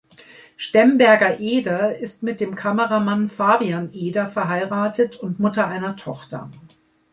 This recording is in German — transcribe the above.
Stemberger-Eder ist mit dem Kameramann Fabian Eder verheiratet und Mutter einer Tochter.